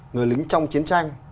người lính trong chiến tranh